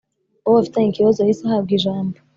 Uwo bafitanye ikibazo yahise ahabwa ijambo